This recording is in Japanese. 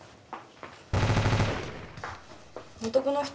男の人？